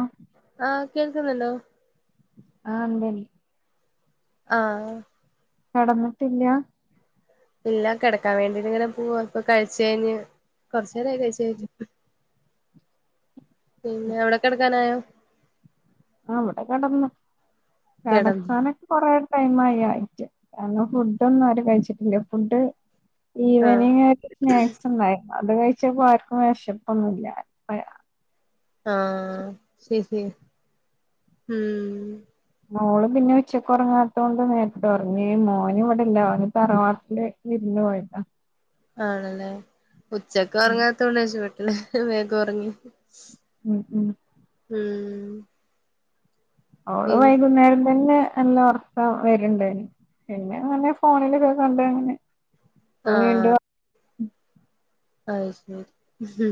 ആഹ് ആഹ് കേൾക്കുന്നുണ്ടോ ആഹ് ഉന്തേനി [inaudible] ആഹ കടന്നിട്ടില്ല ഇല്ല കിടക്കാൻ വേണ്ടിട്ട് ഇങ്ങനെ പോവാ ഇപ്പൊ കഴിച്ച് കഴിഞ്ഞ് കൊറച്ചെരമായി കഴിച്കഴിഞ്ഞു പിന്നെ അവിടക്കെടക്കാനായോ ആ ഇവിടെ കടന്നു കിടന്ന് കടസ്ഥാനൊക്കെ കൊറേ [unintelligible] ടൈമായഴിച്ചേ കാരണം ഫുഡ ഒന്നും ആരും കഴിച്ചിട്ടില്ല ഫുഡ് ആഹ് ഈവനിങ് സ്നാക്സ് ഉണ്ടായി അത് കഴിച്ചപ്പോ ആർക്കും വിശപ്പൊന്നുമില്ല പ്പഴ ആഹ ശരി ശരി ഉം മോള് പിന്നെ ഉച്ചക്ക് ഉറങ്ങാത്തോണ്ട് നേരത്തെ ഉറങ്ങി മോന് ഇവിടില്ല ഓന് തറവാട്ടില് വിരുന്ന് പോയ്ക്കുവാ ആണല്ലേ ഉച്ചക്ക് ഉം ഉറങ്ങാത്തോണ്ടട്ടരശ- ഇല്ല വേഗം ഒറങ്ങി ഉം ഉം ഉം ഓള് പിന്നെ വൈകുന്നേരം തന്നെ- നല്ല ഒർക്കം വരുണ്ടായിന് പിന്നെ പറഞ്ഞ ഫോണിലെക്കെ കണ്ട അങ്ങനെ- [unintelligible] ഉം [unintelligible] അയ്ശരി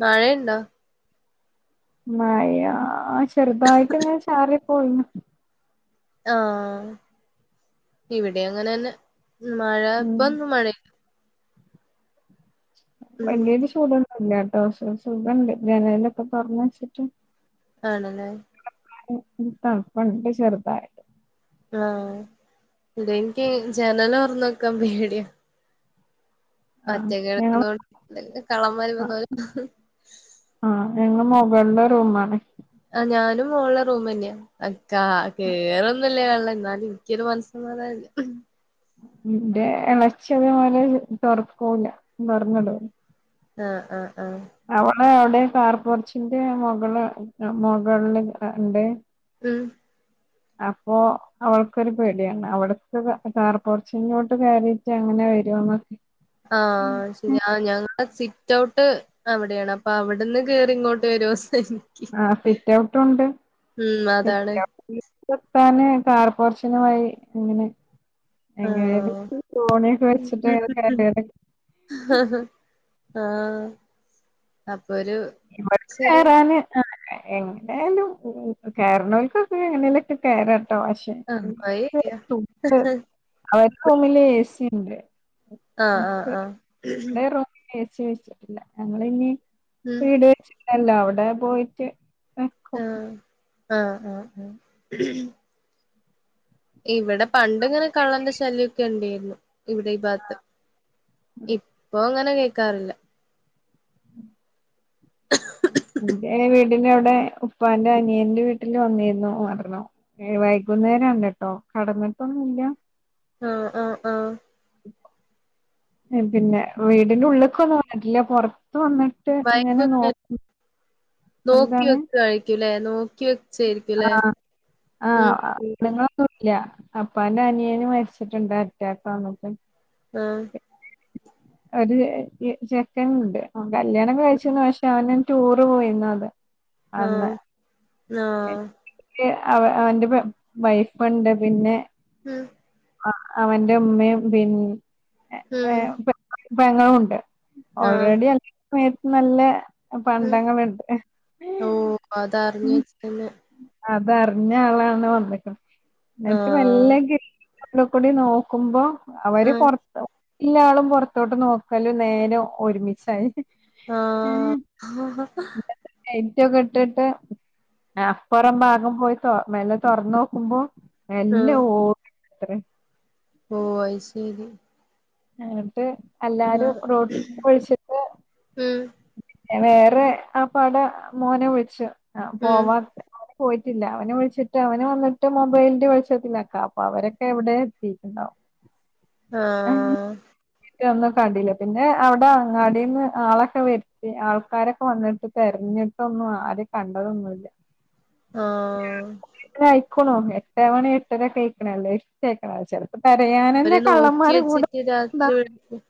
മഴേണ്ടോ മഴാ ചെറുതായിട്ടിങ്ങനെ ചാറി പോയിന്നു ആഹ് ഇവിടെം അങ്ങനെന്നെ മഴ ഉം ഇപ്പൊന്നും മഴ- ഉം ഭയങ്കരേയ്ട്ട് ചൂടൊന്നുല്ല. ഓസോ സോ സുഖണ്ട് ജനലൊക്കെ തൊറന്ന് വെച്ചിട്ട് ആണല്ലേ ഉം ഉം ഈ തണപ്പണ്ട് ചെറുതായിട്ട് ആഹ് ഇതെനിക്ക് ജനലൊറന്നെക്കാൻ പേടിയാ ആഹ് ഞങ്ങള് ഒറ്റെക്കെടക്കൊന്നോടത്ത് വല്ലകള്ളമാരും ആഹ് വന്നാലൊ മുകള്ളറൂമാണ് ആ ഞാനും മോൾലെ റൂമന്നെയാ അ കാ കേറൊന്നുല്ല്യ ല്ലന്നാലും ഇൻക്കൊരു മനസ്സമാധാനല്ല ഇന്റെ എളച്ചിതേപോലെ തൊറക്കൂല്ല പർന്നിടും ആഹ് ആഹ് ആഹ് അവള് അവിടെ കാർപോർച്ചിന്റെ മൊകള് മുകളില് ലിണ്ടേ ഉം അപ്പൊ അവൾക്കൊരു പേടിയാണ് അവടുക്ക് കാർപോർച്ച് ഇങ്ങോട്ട് കയറിട്ട് അങ്ങനെ വരോന്നൊക്കെ ആഹ് ശരി ആ ഞാൻ- ആ സിറ്റ് ഔട്ട് അവിടയാണ് അപ്പൊ അവിടുന്ന് കേറി ഇങ്ങോട്ട് വരുവോ ആ സിറ്റ്ഔട്ടൊണ്ട് ഉം അതാണ് കാർപോർഷനുമായി അങ്ങനെ എങ്ങനെ ആഹ് തോണിയൊക്കെ വെച്ചിട്ടെടേല് ആഹ് അ ഇവിടെ കേറാന് ആ എങ്ങനായാലും കേറണോൽക്കൊക്കെ എങ്ങനെലൊക്കെ കേറാ ട്ടൊ പക്ഷേ ആഹ് മഴ പെയ്യാ അവരുടെ റൂമില് എ സി പിന്നെ ആഹ് ആഹ് ആഹ് [unintelligible] ഇല്ല ഞങ്ങൾ ഇനി ഉം ത്രീ ഡേയ്സ് ല്ല അവിടെ പോയിട്ട് വെക്കോ ആഹ് ആഹ് ആഹ് ആഹ് ഇവിടെ പണ്ട്‌ ഇങ്ങനെ കള്ളന്റെ ശല്യക്കെ ഉണ്ടെയിരുന്നു. ഇവിടെ ഈ ഭാഗത്ത് ഇപ്പൊ അങ്ങനെ കേ ക്കാറില്ല എ വീടിന്റെ അവിടെ ഉപ്പാന്റെ അനിയന്റെ വീട്ടിൽ വന്നിരുന്നു ഒർണ്ണോ വൈകുന്നേരംണട്ടോ കടന്നിട്ടൊന്നുംല്ല ആഹ് ആഹ് ആഹ് പിന്നെ വീടിന്റെ ഉള്ളേക്ക ഒന്നാ വന്നാട്ടില്ല്യ പോർത് ത്ത് വന്നിട്ട് ഇങ്ങനെ വൈകുന്നേരം നോക്കി നോക്കി വെക്കായിക്കൂലേ ലോ ആഹ് ഉം ആഹ് ഉം നിങ്ങളൊന്നുംല്ല അപ്പാന്റെ അനിയേന് മരിച്ചിട്ടുണ്ട്‌ അറ്റാക്ക് വന്നപ്പം ആഹ് ഒരു ചെക്കൻ ഉണ്ട് അവൻ കല്യാണം കഴിച്ചിന്ന് പക്ഷെ അവന ടൂറ് പോയിന്ന അത് അന്ന്‌ ആ അവ അവന്റെ വൈഫുണ്ട് പിന്നെ ഉം അവന്റെ ഉമ്മയും പിന്ന മ്മ് പെങ്ങളും ഉണ്ട് ഓൾറെഡി അല്ല സമയത്ത് നല്ല ഉ പണ്ടങ്ങളുണ്ട് ഓ അതറിഞ്ഞു വച്ചിട്ടന്നെ അത അറിഞ്ഞ ആളാണ് വന്നികണ് എന്നിട്ട് ആഹ് മെല്ലെ അവിടെ കൂടി നോക്കുമ്പോ അവര് ആഹ് പൊറത്ത എല്ല ആളും പുറത്തോട്ട് നോക്കല് നേരം ഒരുമിച്ചായി ആ ആഹ് കുക്കെ ഇട്ടിട്ട് അപ്പുറം ഭാഗം പോയി മേലെ തുറന്ന് നോക്കുമ്പോ ആഹ് ന്ല്ലഓ ത്രം ഓ അത്ശരി എന്നട്ട് എല്ലാരും റോട്ടി ഒഴിച്ചിട്ട് ഉം വേറെ ആ പാട മോനെ ഒഴിച്ച് ആ ഉം പോവാറില്ല പോയിട്ടില്ല അവനെ വിളിച്ചിട്ട് അവന് വന്നിട്ട് മൊബൈലിന്റെ വെളിച്ചത്തിലക്കാ അപ്പൊ അവരൊക്കെ എവിടെ എത്തിട്ടുണ്ടാവും ആ ഒന്നും കണ്ടില്ല പിന്നെ അവിടെ അങ്ങാടിന്ന് ആളൊക്കെ വരു ആൾക്കാരൊക്കെ വന്നി തെരഞ്ഞിട്ടൊന്നും ആരെ കണ്ടതൊന്നുല്ല ആ ക്കണോ എട്ട്മണി എട്ടരക്കയിക്കണല്ലേ യിക്കണ ചെലപ്പോ അവര് തെരയാനന്നെ നോക്കി കള്ളന്മാര് കൂട വെച്ചിട്ട് [unintelligible]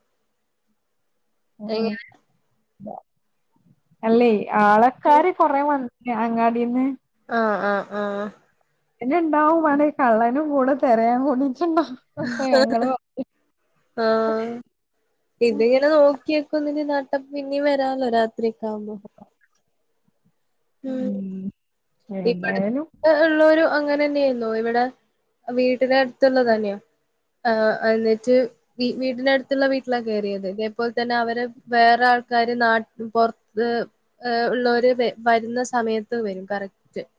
ഉം. എങ്ങനെ അല്ലേ ആളക്കാര് കൊറെ വൻ അങ്ങാടീന്ന് ആ ആ ആ പിന്നെ ഇണ്ടാവും വേണെ കള്ളനും കൂടെ തിരയാൻ കൂടി ട്ടുണ്ടോ ഞങ്ങള് ആഹ് [unintelligible] ഇതിങ്ങനെ നോ നോക്കി വയ്ക്കൂന്നിനിനാട്ട പിന്നീ വരാല്ലോ രാത്രിയൊക്കാവുമ്പോ ഉം [unintelligible] ഏതായാലും ഇവിടുത്തെ ഉള്ളോരു അങ്ങനെ തന്നെയായിന്നരുന്നു ഇവിടെ വീട്ടിന അടുത്തുള്ള തന്നെയാ എന്നിട്ട് വീട്ടിന അടുത്തുള്ള വീട്ടിലാണ് കയറിയത് ഇതേപോലെ തന്നെ അവര് വേറെ ആൾക്കാര് നാട്ട പുറത്ത് ഉള്ളവര് വരുന്ന സമയത്ത് വരും കറക്റ്റ് [unintelligible]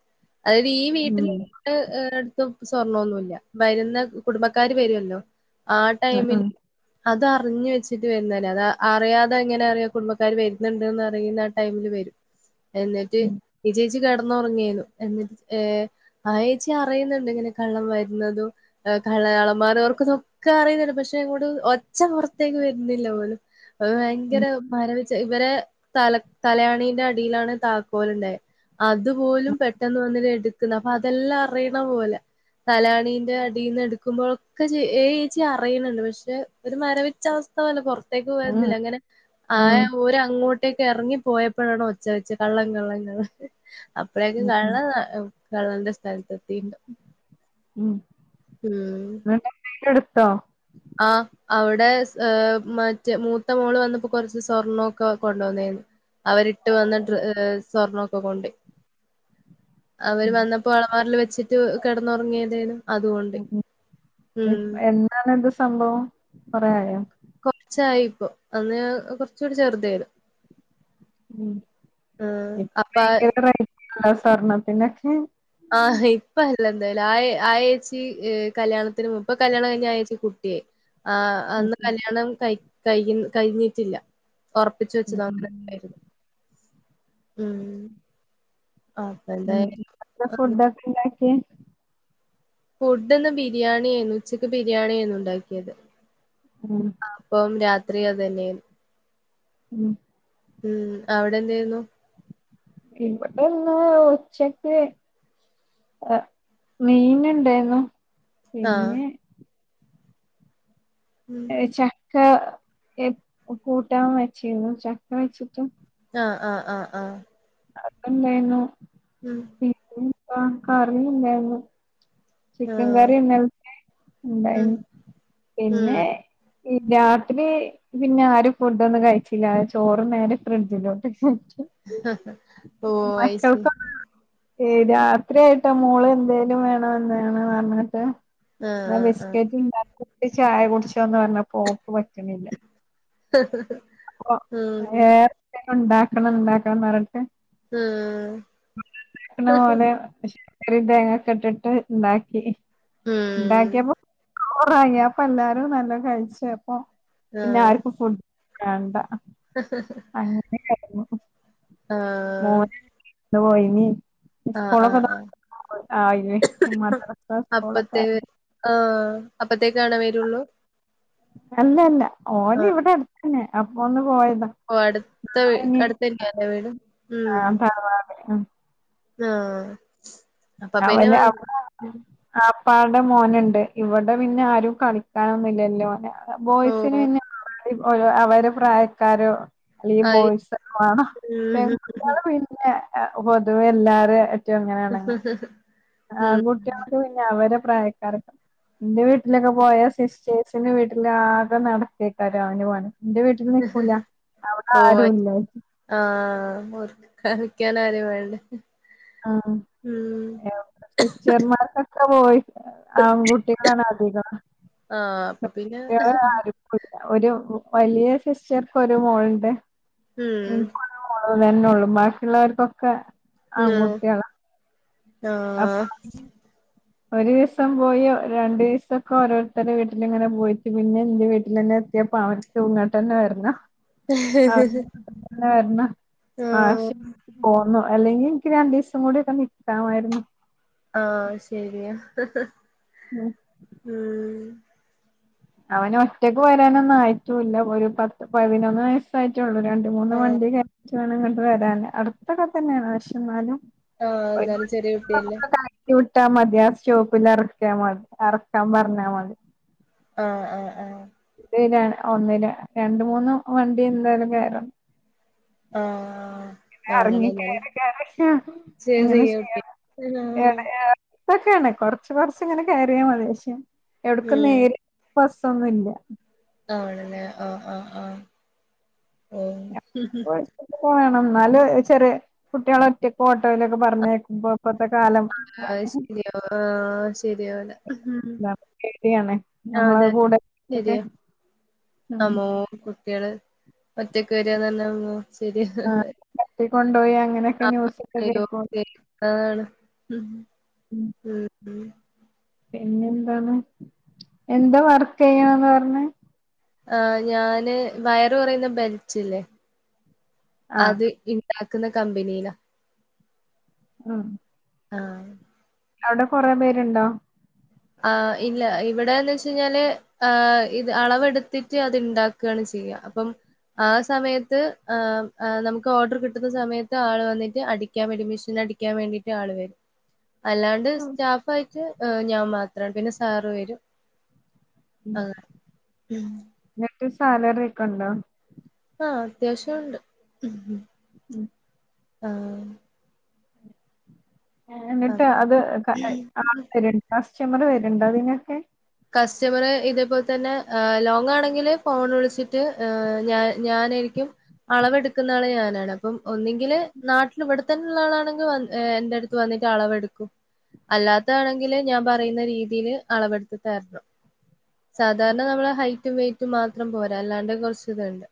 അതായത് ഈ ഉം [unintelligible] സ്വർണോന്നുല്ല വരുന്ന കുടുംബക്കാര് വരുവല്ലോ ആ ആഹ് ടൈമില് ആഹ് അത് അറിഞ്ഞ്വെച്ചിട്ട് വരുന്നല്ലേ അത് അറിയാതെ എങ്ങനെ അറിയ കുടുംബക്കാാര് വരുന്നുണ്ട്ന്ന് അറിയുന്ന ആ ടൈമില് വരും എന്നിട്ട് ഉം [unintelligible] ജ് കെടന്നോ [unintelligible] ആയെച്ചി അറിയുന്നുണ്ട് ഇങ്ങനെ കള്ളൻ വരണതും കള്ളയാളമാറ തൊറക്കുന്നതൊക്കെ അറിയുന്നുണ്ട് പക്ഷെ ഇങ്ങോട്ട് ഒച്ച പുറത്തേക്ക് വരുന്നില്ല പോലും ഭയങ്കര മരവി ഇവരെ തല തലയാണിന്റെ അടിയിലാണ് താക്കോലുള്ളേ ഇതുപോലും പെട്ടെന്ന് വന്നിട്ട് എടുക്കുന്ന അപ്പൊ അതെല്ലാം അറിയണ പോലെ തലാണീന്റെ അടിന്ന് എടുക്കുമ്പോഴൊക്കെ ഏച്ചി അറിയണണ്ട് പക്ഷെ ഒരു മരവിച്ച അവസ്ഥ പോലെ പൊറ ത്തേക്ക് വരുന്നില്ല ആഹ് അങ്ങനെ ആയ ആഹ് ഓര് അങ്ങോട്ടേക്ക് ഇറങ്ങി പോയപ്പോഴാണോ ഒ ച്ചവെച്ച് കള്ളൻ കള്ളൻ കള്ളൻ അപ്പഴേക്കും ഉം ഉം കള്ളൻ ഈഹ് കള്ളന്റെ സ്ഥലത്തെത്തീണ്ട് ഉം നിങ്ങളെ എന്തേലും എട്ത്തോ? ആ അവിടെ സ് ഈഹ് മറ്റേ മൂത്ത മോള് വന്നപ്പോ കൊറച്ച് സ്വർണ്ണോക്കെ കൊണ്ടോന്നായിരുന്നു. അവരിട്ട് ട്ട് വന്ന ഡ്ര ഈഹ് സ്വർണൊക്കെ കൊണ്ടോയി അവര് ഉം വന്നപ്പോ അലമാരില് വെച്ച് ച്ചിട്ട് കെടന്നൊറങ്ങിയതേനു ഉം ഉം എന്താണിത് സ് സംഭവം കൊറെയായോ? കൊറച്ചായീപ്പൊ. അന്ന് കൊറച്ചൂടി ചെറ്തേനു. മ്മ് ഇപ്പൊ അപ്പ ഭയങ്കര [inaudible] തർണം പിന്നെ [unintelligible] ആഹ് ഇപ്പല്ല എന്തായാലും. ആ ആയേച്ചി കല്യാണത്തിന് മുമ്പ്. ഇപ്പൊ കല്യാണം കഴിഞ്ഞ് ആ ഏച്ചിക്ക് കുട്ടിയായി. ആ അന്ന് ഉം കല്യാണം കഴി കഴിക്ക്ന്ന് കഴിഞ്ഞിട്ടില്ല ഒറപ്പിച്ചുവെച്ചതാ [inaudible] ഉം ഉം ആ അപ്പൊ ഉം എന്തായാ എന്താ [unintelligible] ഫുഡൊക്കെ [inaudible] [unintelligible] ഫുഡ്ഢിന്ന് ബിരിയാണിയേനു. ഉച്ചക്ക് ബിരിയാണിയേര്ന്നു ഇണ്ടാക്കിയത്. ഉം അപ്പം രാത് ത്രിയും അത് തന്നേന്ന്. ഉം ഉം അവിടെ എന്തേര്ന്നു? ഇവിടെ ഇന്ന് ഉച്ചക്ക് അ മീൻ ഇണ്ടേര്ന്നു. ആഹ് പിന്നെ ഉം കഴിച്ചാ? ച്ച ഏ കൂട്ടാൻ വച്ചിരുന്നു ചക്ക വെച്ചിട്ട്. ആഹ് ആഹ് ആഹ് ആ അത്ണ്ടേനു. ഉം ആ കറി ഇല്ലായ്ര്ന്നു ചിക്കൻ ആഹ് കറി ഇന്നൽത്തെ ഉം ഉണ്ടായ്ര്ന്നു ഉം പിന്നെ രാത്രി പിന്നെ ആരും ഫുഡ്ഡാെന്നും കഴിച്ചില്ല ചോറ്നേരെ ഫ്രിഡ്ജിലോട്ട്ച്ച് ഓ ഐസീ ഏ രാത്രിയായിട്ട മോളെ എന്തേലും വേണമെന്ന് അങ്ങന പറ്ഞ്ഞ്ട്ട് ആഹ് ആഹ് ആഹ് ബിസ്കറ്റ് ണ്ടാ കുപ്പി ചായ കുടിച്ചോന്ന് പറഞ്ഞപ്പോ ഓക്ക് പറ്റ്ണില്ല ഹ് ഹ് ഹ് ഒ നേർത്തെ ഉണ്ടാക്കണം ണ്ടാക്കണം ന്നർഞ്ഞിട്ട് ഉം ക്കണെ പോലെ അശ് ഒരു തേങ്ങക്കെട്ട്ട്ട് ണ്ടാക്കി ഉം ണ്ടാക്കിയപ്പോ റാങ്ങി അപ്പൊ എല്ലാരും നല്ലോം കഴിച്ച് അപ്പൊ പിന്നെ ആഹ് ആര്‌ക്കും ഫു വേണ്ട അങ്ങനെ കഴി ആ ന്ന്പോയിനി സ്കൂളക്കെ തൊറ ആയില്ലേ ഇ മദ്റസ സ്കൂളൊക്കെ. അപ്പത്തേക്ക് ആണോ വരൊള്ളൂ അല്ലല്ല ഓന് ഇവിടെ ന് അപ്പൊ ഓ ഓ അട്ത്ത വി അടുത്തന്നാല്ലെ വീട് ആ [unintelligible] ആ അവന് അവ്ട അ പ്പാടെ മോന്ണ്ട് ഇവടെ പിന്നെ ആരും കളിക്കാനൊന്നുല്ലല്ലോ ഓന് ഓ ബോയ്സിന് പിന്നെ ഓരോ അവരെ പ്രായക്കാരോ അല്ലെ ആയി ബോയ്സൊക്കെ മാണം ഉം പെൺകുട്യാൾ പിന്നെ ഏ പൊതുവെ എല്ലാരെ എ റ്റും ഇങ്ങനെയെണങ്ങും ഉം ആൺകുട്ടിയാക്ക് പിന്നെ അവരെ പ്രായക്കാരൊക്കെ എന്റെ വീട്ടിലൊക്കെ പോയാ ശിഷ്- ചേച്ചിന്റെ വീട്ടില് ആകെ നടത്തിത്തരാം അവന് [unintelligible] നിക്കൂല അവിടെ ഓ ആരും ഇല്ല ആ ആഹ് നിക്കാൻ ആരും വേണ്ടേ ആ ഉം ഏ സിസ്റ്റർമാർക്കൊക്കെ ഓയി [unintelligible] ആ ബുട്ടി [unintelligible] ന്നാന അധികം ആഹ് അപ്പൊ പിന്നെ ആ [unintelligible] ഒരു വലിയ സിസ്റ്റർക്കൊരു മോളു ഇണ്ട് മ് അത് തന്നെ ഉള്ളൂ ബാക്കിയുള്ളവർക്കൊക്കെ ആഹ് കുട്ടികളാ ആഹ് ഒരീസം പോയി രണ്ടീസൊക്കെ ഓരോരുത്തരെ വീട്ടിലിങ്ങനെ പോയിട്ട് പിന്നെ എന്റെ വീട്ടിൽ തന്നെ എത്തിയപ്പ അവർക്ക് ഇങ്ങട്ടന്നെ വരണം. എന്നാ വരണ് ആ ശ ആഹ് പോ [unintelligible] അല്ലെങ്കി ഇൻക്ക് രണ്ടീസം കൂടിക്കെ നിക്കാമായിരുന്നു ആ ശരിയാ ഉം ഉം അവന് ഒറ്റക്ക് വരാനൊന്നും ആയിട്ടൂല്ല ഒരു പത്ത് പതിനൊന്ന് വയസ്സായിട്ടേ ഉള്ളൂ. രണ്ട് മൂന്ന് ആഹ് വണ്ടി കേ [inaudible] അടുത്തൊക്കെ തന്നെയാണ് പക്ഷേ എന്നാലും, ആഹ് എന്നാലും ചെറിയ കുട്ടിയല്ലേ ഇട്ടാ മതിയാ സ്റ്റോപ്പിൽ എറക്കിയാൽ മതി എറക്കാൻ പറഞ്ഞാൽ മതി. ആഹ് ആഹ് ആ ഇത് ഏതായാലും ഒന്നിന് രണ്ട് മൂന്ന് വണ്ടി എന്തായാലും കേറണം ആഹ് ആണല്ലേ എന്നാലും എറങ്ങികേറിട്ടെറങ്ങി അങ്ങനെ ചെറിയ കുട്ടി ചെയ്യണം ആഹ് ഇതൊക്കെയാണ്കുറച്ച് കുറച്ച് ഇങ്ങനെ കയറിയാ മതി പക്ഷേ എവിടക്ക ഉം നേരെ ബസൊന്നു ഇല്ലാ ആണല്ലെ ആ ആ ആ ഓ [unintelligible] [unintelligible] എന്നാല്ചെറിയ കുട്ടികള് ഒറ്റക്ക് ഒ കടയിലൊക്കെ പറഞ്ഞേക്കുമ്പോ ഇപ്പത്തെ കാലം ആഹ് ശരിയാ ആഹ് ശരിയാവൂല ഉം [unintelligible] ശെരിയാണേ നമ്മടെ അതെ കൂടെ ഒക്കെ ശരിയാ മ്മ് ഇയാള് ഒറ്റെക്ക് വരുവ ന്ന് പറഞ്ഞ ഉമ്മ ആഹ് ശെരിയല്ലേ തട്ടിക്കൊണ്ടോയി അങ്ങനെയൊക്കെ ന്യൂസൊക്കെ കേൾക്കു [unintelligible] മ്മ് പിന്നെ എന്താണ് എന്താ വർക്ക് ചെയ്യണന്ന് പറഞ്ഞേ ആ ഞാന് വയറ് കൊറയുന്ന ബെൽറ്റില്ലെ ആഹ് അത് ഇണ്ട വിക്കുന്ന കമ്പിനിലാ ആ ആ അവിടെ കൊറെ പേരുണ്ടോ ആ ഇല്ല ഇവിടെന്ന് വെച്ച്കഴിഞ്ഞാല് ആ ഇത് അളവെടുത്തിട്ട് അത്ണ്ടാക്കാണ് ചെയ്യാ അപ്പം ആ സമയത്ത് ആ നമുക്ക് ഓർഡർ കിട്ടുന്ന സമയത്ത് ആൾ വന്നിട്ട് അടിക്കാൻ വേണ്ടി മെഷീൻ അടിക്കാൻ വേണ്ടിട്ട് ആള് വേരും അല്ലാണ്ട് ഉം സ്റ്റാഫായിട്ട് ഏഹ് ഞാൻ മാ ത്രാണ് പിന്നെ സാറ് വരും ആ ഉം ക്ക് സാലറിക്കെ ഒണ്ടോ ആ അത്യാവശ്യം ഒണ്ട് ഉം ആ എന്നിട്ട് അപ്പൊ അത് [unintelligible] ചെമറ് വരുണ്ടോ അതിനൊക്കെ കസ്റ്റമർ ഇതേപോലെ തന്നെ ഏഹ് ലോങ് ആണെങ്കില് ഫോൺ വിളിച്ചിട്ട് ഏഹ് ഞ ഞാനായിരിക്കും അളവെടുക്കുന്ന ആള് ഞാനാണ് അപ്പം ഒന്നുങ്കില് നാട്ടില് ഇവിടെത്തന്നെ ഉള്ളാളാണെങ്കി എൻറ്റടുത്ത് വന്നിട്ട് അളവെടുക്കും അല്ലാത്തണെങ്കില് ഞാൻ പറയുന്ന രീതിയിൽ അളവെടുത്ത് തരണം സാധാരണ നമ്മള ഹൈറ്റും വെയ്റ്റും മാത്രം പോരാ അല്ലാണ്ട് കൊറച്ച് ഇതുണ്ട്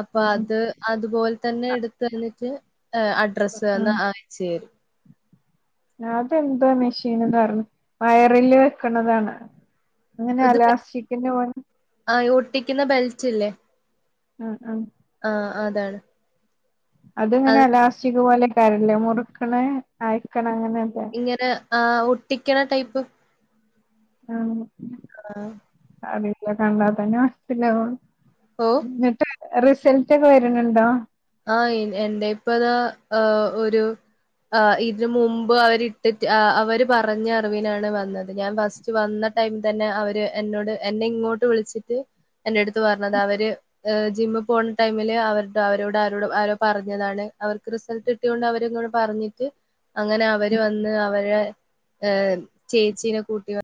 അപ്പൊ ഉം അത് അതുപോലെ തന്നെ എടുത്തു തന്നിട്ട് ഏഹ് അഡ്രസ്സ് തന്നാ അയച്ചു തരും ലതെന്തുവാ മെഷീൻന്ന് പറഞ്ഞ് വയറില് വെക്കണതാണാ അങ്ങനെയലാസ്റ്റിക്കിന്റെ വേണം ട്ടിക്കുന്ന ബെൽറ്റില്ലേ ആ ആ അതാണ് അതിങ്ങനെ അത് എലാസ്റ്റിക് പോലെ കരല്ലേ മുറുക്കണ അഴിക്കണ ഇങ്ങനെ ആ ഒട്ടിക്കണ ടൈപ്പ് ആഹ് ആഹ് അറിയില്ല കണ്ടാത്തന്നെ ഓ [unintelligible] [unintelligible] റിസൾട്ടൊക്കെ വെര്ണ് ണ്ടോ ആ എന്റെ പ്പതാ ഒരു ഇതിന് മുമ്പ് അവരിട്ടിട്ട് അവര് പറഞ്ഞ അറിവിനാണ് വന്നത് ഞാൻ ഫസ്റ്റ് വന്ന ടൈം തന്നെ അവര് എന്നോട് എന്നെ ഇങ്ങോട്ട് വിളിച്ചിട്ട് എൻ്റടുത്ത് പറഞ്ഞത അവര് ജിമ്മി പോണ ടൈമില് അവരടുത്ത് അവരോട് ആരോ അവരോട് ആരോ പറഞ്ഞതാണ് അവർക്ക് റിസൾട്ട് കിട്ടിയോണ്ട് അവരിങ്ങോട്ട് പറഞ്ഞിട്ട് അങ്ങനെ അവര് വന്ന് അവരെ ചേച്ചീനെ കൂട്ടി വ